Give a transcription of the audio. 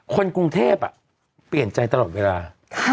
คนกรุงเทพเปลี่ยนใจตลอดเวลา